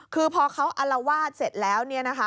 คือพอเขาอลวาดเสร็จแล้วเนี่ยนะคะ